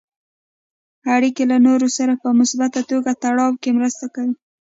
اړیکې له نورو سره په مثبته توګه تړاو کې مرسته کوي.